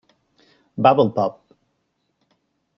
Bubble Pop!